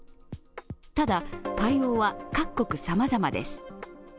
ただ、対応は各国さまざまです。